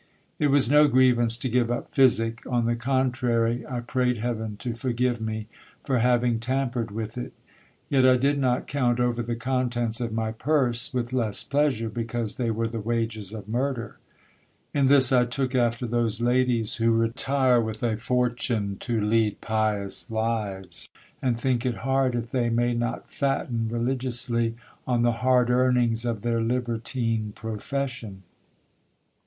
It was no grievance to give up physic ; on the contrary, I prayed heaven to forgive me for having tampered with it. Yet I did not count over the contents of my purse with less pleasure, because they were the wages of murder. In this I took after those ladies who retire with a fortune to lead pious lives, and think it hard if they may not fatten religiously on the hard earnings of their libertine profession.